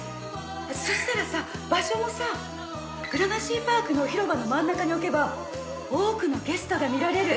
そしたらさ場所もさグラマシーパークの広場の真ん中に置けば多くのゲストが見られる。